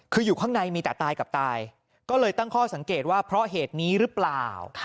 คืออยู่ข้างในมีแต่ตายกับตายก็เลยตั้งข้อสังเกตว่าเพราะเหตุนี้หรือเปล่า